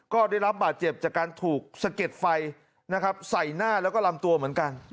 ก็ได้รับบาดเจ็บจากการถูกสะเก็ดไฟนะครับใส่หน้าแล้วก็ลำตัวเหมือนกัน